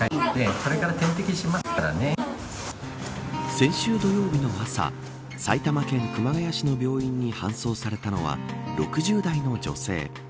先週土曜日の朝埼玉県熊谷市の病院に搬送されたのは６０代の女性。